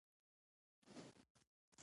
اوبه چې هرڅومره ناپاکي وي اور وژلی شې.